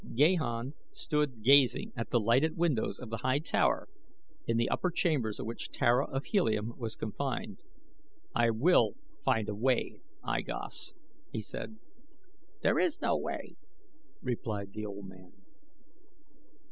Gahan stood gazing at the lighted windows of the high tower in the upper chambers of which Tara of Helium was confined. "I will find a way, I Gos," he said. "There is no way," replied the old man.